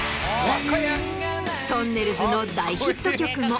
自由がとんねるずの大ヒット曲も。